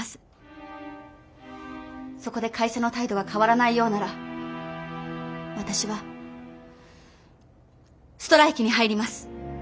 そこで会社の態度が変わらないようなら私はストライキに入ります。